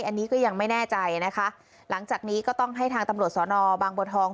อันนี้ก็ยังไม่แน่ใจนะคะหลังจากนี้ก็ต้องให้ทางตำรวจสอนอบางบัวทอง